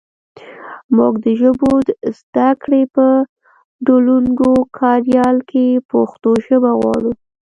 مونږ د ژبو د زده کړې په ډولونګو کاریال کې پښتو ژبه غواړو